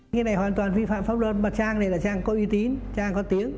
cái này hoàn toàn vi phạm pháp luật mà trang này là trang có uy tín trang có tiếng